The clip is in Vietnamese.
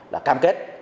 là cam kết